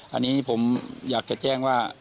อันนี้ผมอยากจะแจ้งว่า